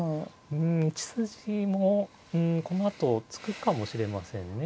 うん１筋もこのあと突くかもしれませんね。